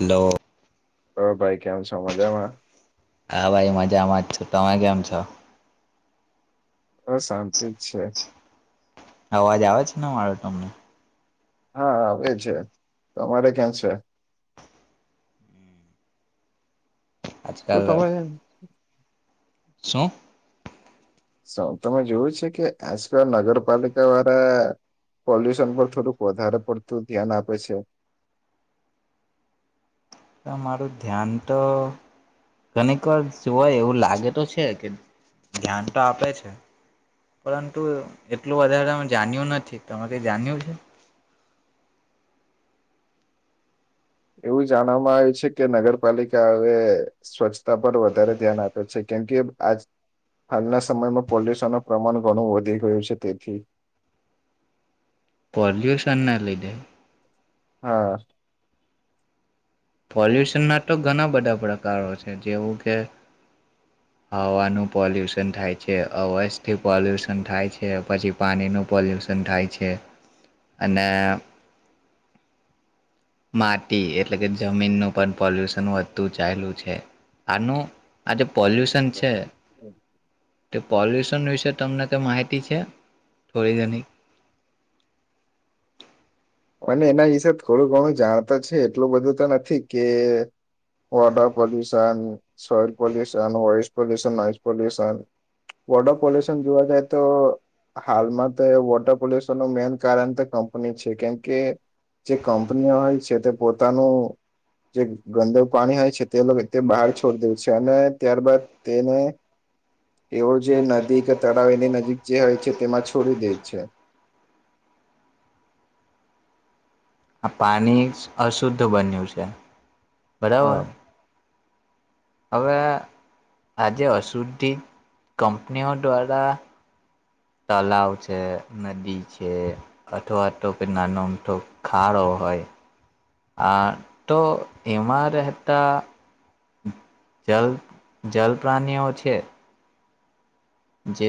Hello. હ ભાઈ, કેમ છો મજામાં? હા ભાઈ મજામાં જ છું, તમે કેમ છો? હ શાંતિ જ છે. અવાજ આવે છે ને મારો તમને? હા આવે છે, તમારે કેમ છે? શું આજકાલ તમે છે ને શું? શું તમે જોયું છે કે આજકાલ નગરપાલિકા વાળા પોલ્યુશન પર થોડુંક વધારે પડતું ધ્યાન આપે છે? અ મારું ધ્યાન તો કને ક જ હોય એવું લાગે તો છે. છે કે ધ્યાન તો આપે છે, પરંતુ એટલું વધારે અમે જાણ્યું નથી, તમે કઈ જાણ્યું છે? એવું જાણવામાં આવ્યું છે કે નગરપાલિકા હવે સ્વચ્છ તા પર વધારે ધ્યાન આપે છે કેમ કે આજ હલના સ મયમાં પોલ્યુશનનો પ્રમાણ ઘણું વધી ગયું છે તેથી પોલ્યુશનના લીધે? હા. પોલ્યુશનના તો ઘણા બધા પ કારો છે જેવું કે, હવાનું પોલ્યુશન થાય છે, અવાજથી પોલ્યુશન થાય છે, પછી પાણીનું પોલ્યુશન થાય છે અને માટી એટલે કે જમીનનું પણ પોલ્યુશન વધતું ચાઇલુ છે, આનું આજે પોલ્યુશન છે, તે પોલ્યુશન વિશે તમને તો માહિતી છે થોડી ઘણી? અને એના વિશે થોડું ઘણું જાણ તો છે એટલું બધું તો નથી કે water pollution, soil pollution, voice pollution, noise pollution. Water pollution જોવા જાય તો હાલમાં તો વોટર પોલ્યુશનનું મેન કારણ તે કંપની છે કેમ કે જે કંપનીઓ હોય છે તે પોતાનું જે ગંદુ પાણી હોય છે તે લોકો તે બહાર છોડી દે છે અને ત્યારબાદ તેને એવો જે નદી કે તળાવ એની નજીક જે હોય છે તેમાં છોડી દે છે. [inaudible] આ પાણી અશુદ્ધ બન્યું છે. બરાબર. હા હવે આજે અશુદ્ધિત કંપનીઓ દ્વારા. તલાવ છે નદી છે અથવા તો કોઈ નાનો મોઠો ખાડો હોય આ તો એમાં રહેતા જલ જલ પ્રાણીઓ છે. જે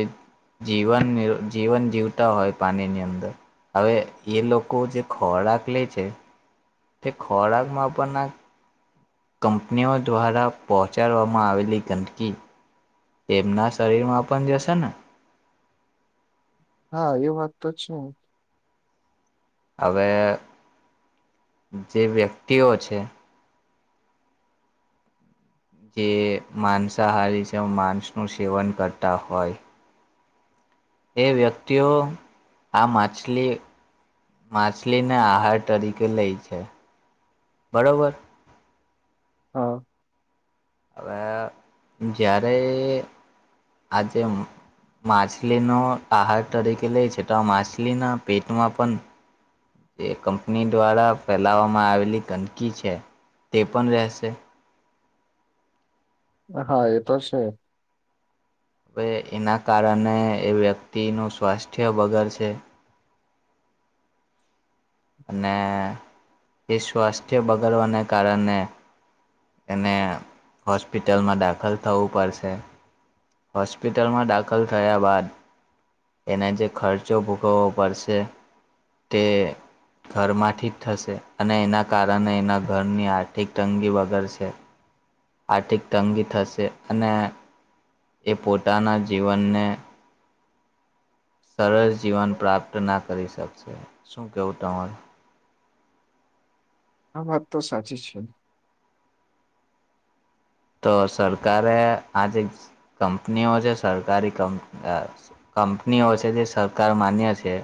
જીવન જીવન જીવતા હોય પાણીની અંદર હવે એ લોકો જે ખોરાક લે છે તે ખોરાકમાં પણ. કંપનીઓ દ્વારા પહોંચાડવામાં આવેલી ગંદકી તેમના શરીરમાં પણ જશે ને. હા એ વાત તો જ હવે. જે વ્યક્તિઓ છે. છે. જે માનસાહારી જે માસ નું સેવન કરતા હોય. એ વ્યક્તિઓ આ માછલી માછલીને આહાર તરીકે લઈ છે બરોબર. હા. હવે જ્યારે આજે માછલીનો આહાર તરીકે લે છે તો આ માછલીના પેટમાં પણ એ કંપની દ્વારા ફેલાવામાં આવેલી ગંદકી છે તે પણ રહેશે. હા એ તો છે. હવે એના કારણે એ વ્યક્તિનું સ્વાસ્થ્ય બગર સે અને. એ સ્વાસ્થ્ય બગાડવાને કારણે. એને હોસ્પિટલમાં દાખલ થવું પડશે હોસ્પિટલમાં દાખલ થયા બાદ એને જે ખર્ચો ભૂગવવો પડશે તે ઘરમાંથી જ થશે અને એના કારણે એના ઘરની આર્થિક તંગી વગર. છે. આર્થિક તંગી થશે અને. એ પોતાના જીવનને. સરસ જીવન પ્રાપ્ત ના કરી શકશે શું કેવું તમારુ. આ વાત તો સાચી છે. તો સરકારે આ જે કંપનીઓ છે સરકારી કંપ કંપનીઓ છે જે સરકાર માન્ય છે.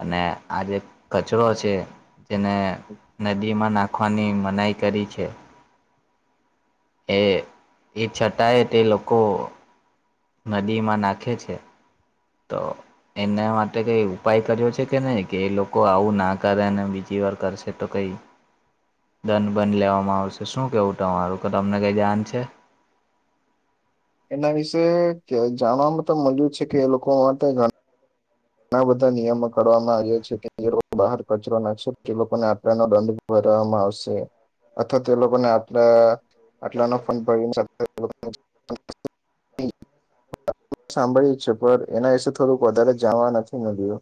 અને આજે કચરો છે જેને નદીમાં નાખ. નાખવાની મનાઈ કરી છે. એ એ છતાએ તે લોકો. નદીમાં નાખે છે તો એને માટે કઈ ઉપાય કર્યો છે કે નહી કે એ લોકો આવું ના કરે અને બીજી વાર કરશે તો કઈ દંડ બંધ લેવામાં આવશે શું કેવું તમારું કે તમને કઈ જાાન છે. એના વિશે જાણવામાં તો મજું છે કે એ લોકો માટે. ઘણા બધા નિયમો કવામાં આવ્યા છે કે જે બહાર કચરો નાખશે તે લોકોને આપણાનો દંડ ભરવામાં આવશે અથવા તે લોકોને આપણા. એટલા ન ફ ભાઈયો ની સાથે સાંભળ્યું છે પણ એના વિષ થોડુંક વધારે. જાણવા નથી મલ્યું.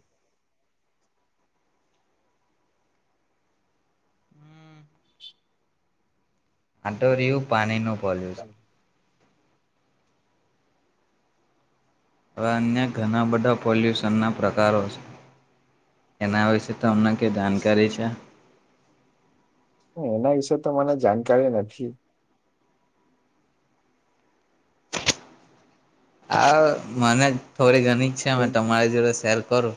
આ તો રિયુ પાણીનું પોલ્યૂશન હવે અન્ય ઘણા બધા. પોલ્યુશનના પ્રકારો છે એના વિશે તમને કે જાણકારી છે. એના વિશેે તો મને જાણકારી નથી. આ મને. થોડી ઘણી છે અમે તમારી જોડે શેર કરો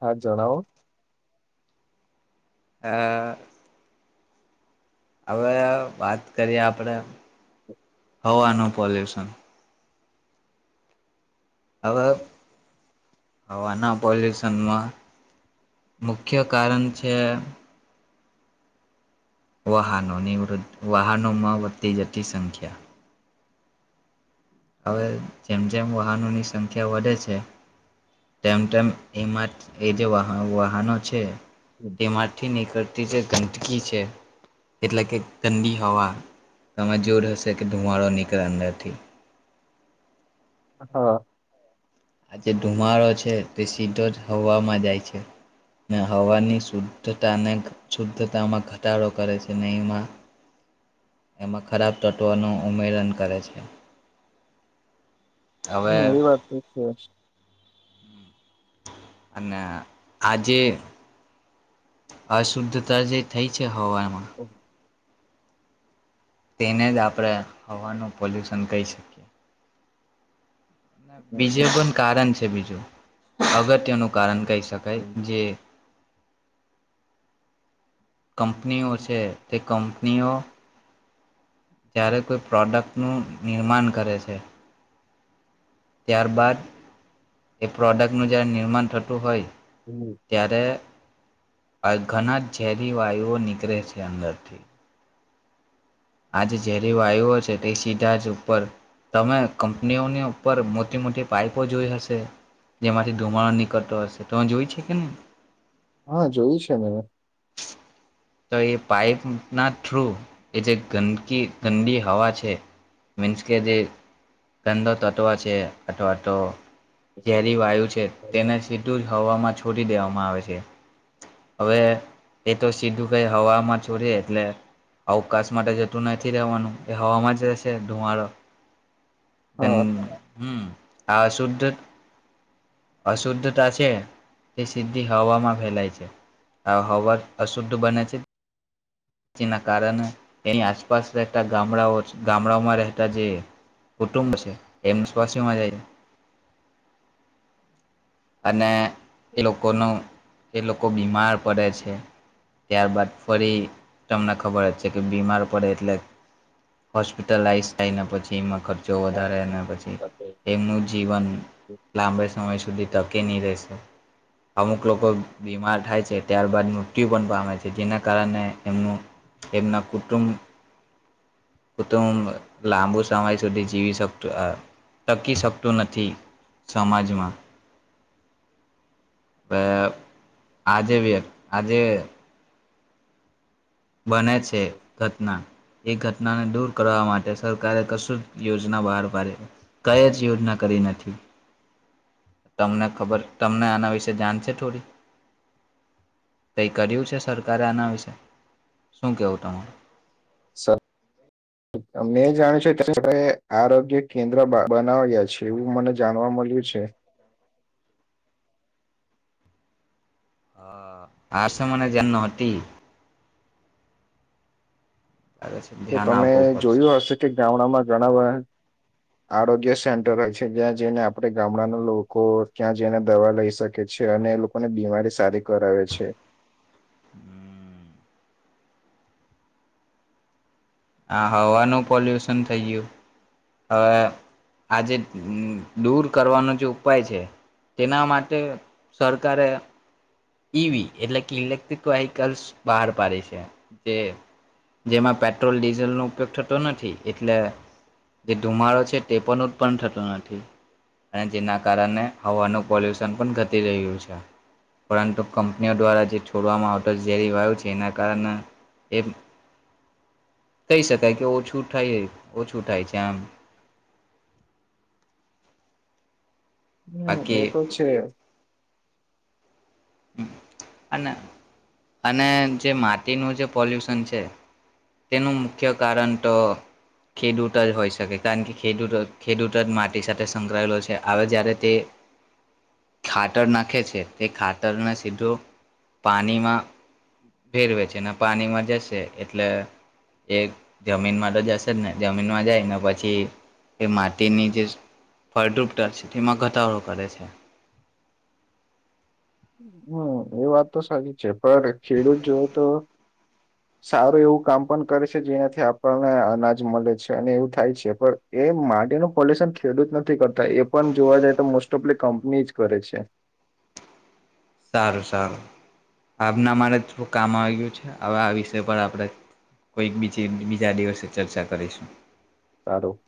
હા જણાવો [inaudible] હવે વાત કરીએ આપડે હવાનું પોલ્યુશન હવે હવાના પોલ્યુશનમાં મુખ્ય કારણ છે. વાહા નો વૃદધ વાહનોમાં વધતી જટી સંખ્યા હવે જેમ જેમ વાહનોની સંખ્યા વધે છે તેમ તેમ એમાં એ જે વાહનો છે એમાંથી કરતી જે ગંદકી છે એટલે કે ઠંડી હવા તમે જોર હશે કે ધુવાડો નીકળે અન્દરથી. હા. આ જે ધુમાડો છે તે સીધો જ હવામાં જાય છે, ને હવાની શુદ્ધતાને શુદ્ધતામાં ઘટાડો કરે છે ને એમાં એમાં ખરાબ તત્વોનું ઉમેરન કરે છે. હમ હવે એ વાત તો છે જ અને આજે અશુદ્ધતા જે થઈ છે ભવા એમાં તેને જ આપણેે હવાનું પોલ્યુશન કહી શકીએ બીજું પણ કારણ છે. બીજું અગત્યનું કારણ કહી શકાય જે કંપનીઓ છે તે કંપનીઓ જ્યારે કોઈ પ્રોડક્ટ નું નિર્માણ કરે છે. ત્યાર બાાદ એ પ્રોડક્ટનું જય્યારે નિર્માણ થતું હોય હમ ત્યારે ઘણા ઝેરી વાયુઓ નીકળે છે અંદરથી આજે ઝેરી વાયુઓ છે તે સીધા જ ઉપર તમે કંપનીઓની ઉપર મોટી મોટી પાઈપો જોઈ હશે જેમાંથી ધુમાડ નીકળતો હશે તો જોઈ છે કે નહિ હા જોયું છે મેને તો એ પાઈપના થ્રુ એ જે ગંદકી ગંદી હવા છે મીન્સ કે જે ગંદો તત્વો છે અથવા તો ઝેરી વાયુ છે તેના સિધુ હવામાં છોટી દેવામાં આવે છે હવે એ તો સીધું કઈ હમાં ચોરી એટલે અવકાશ માટે જતું નથી રહેવાનું એ હવામાં જ રહેશે ધુવાડો હા ધનદ હમ આ સુધ્ધ અશુદ્ધતા છે તે સીધી હવામાં ફેલાય છે આ હવા અશુદ્ધ બને છે, જેના કારણે એની આસપાસ રહેતા ગામડાઓ ગામડાઓમાં રહેતા જે કુટુંબો છે એમ સ્સીમાં જાય છે. અને એ લોકોનું એ લોકો બીમાર પડે છે ત્યારબાદ ફરી તમને ખબર જ છે કે બીમાર પડે એટલે હોસ્પિટલાઈઝ થાયને પછી એમાં ખર્ચ ચો વધારે અને પછી એમનું જીવન લાંબે સમય સુધી ટકી ની રહેશે અમુક લોકો બીમાર થાય છે, ત્યારબાદ મૃત્યુ પણ પામે છે જેના કારણે એમનું એમના કુટુંબ કુટુંબ લાંબુ સમય સુધી જીવી શકતું અ ટકી શકતું નથી સમાજમાં. અ આ જે વ્ય આ જે બને છે ઘટના એ ઘટ નાને દૂર કરવા માટે સરકારે કશું જ યોજના બહાર પાડી કંઈ જ યોજના કરી નથી તમને ખબર તમને આના વિશે જાણ છે થોડી? કઈ કર્યું છે સરકારે આના વિશે? શું કેવો તમે? સત્ મેં જાણ છે ત્યારે આરોગ્ય કેન્દ્ર બ બનાવ્યા છે એવું મને જાણવા મળ્યું છે. હા. આશ મને જે તે લાગે છે તો ધ્યાન તમે આપવું પડશે. જોયું હશે કે ગામડામાં ઘણા બધા આરોગ્ય સેન્ટર હોય છે જ્યાં જઈને આપણે ગામડાના લોકો ત્યાં જઈને દવા લઈ શકે છે અને એ લોકોને બીમારી સારી કરાવે છે. હમ્મ. આ હવાનું પોલ્યુસન થઈ ગ્યું હવે, આજે દૂર કરવાનો જે ઉપાય છે તેના માટે સરકારે ઈ વી એટલે કે ઇલેક્ટ્રિક વ્હીકલ્સ બહાર પાડી છે જે જેમાં પેટ્રોલ ડીઝલનો ઉપયોગ થતો નથી એટલે જે ધુમાડો છે તે પણ ઉત્પન્ન થતો નથી અને જેના કારને હવાનું પોલ્યુસન પણ ઘટી રહ્યું છે પરંતુ, કંપનીઓ દ્વારા જે છોડવામાં આવતો ઝેરી વાયુ છે એના કારણે એ કહી શકાય કે ઓછું થાય એ ઓછું થાય છે. તેમ હમ્મ એ તો છે. હ અને અને જે માટીનું જે પોલ્યુશન છે તેનું મુખ્ય કારણ તો ખેડૂત જ હોય શકે કારણ કે ખેડૂત ખેડૂત જ માટી સાથે સંકળાયેલો છે હવે જયારે તે ખાતર નાખે છે તે ખાતરને સીધું પાણીમાં ભેળવે છે અને પાણીમાં જશે એટલે એ જમીનમાં તો જશે જ ને જમીનમાં જાય ને તો પછી એ માટીની જે ફળદ્રુપતા છે તેમાં ઘટાડો કરે છે. હમ્મ એ વાત તો સાચી છે પણ ખેડૂત જોવ તો સારું એવું કામ પણ કરે છે જેનાથી આપણને અનાજ મળે છે અને એવું થાય છે પણ એ માટેનું પોલ્યુશન ખેડુત જ નથી કરતું એ પણ જોવા જાય તો મોસ્ટ ઓફ લી કંપની કરે છે. સારું સારું આમના મારે થોરુ કામ આવયું છે હવે આ વિષય પર આપણે કોઈક બીજી બીજા દિવસે ચર્ચા કરીશું. સારું.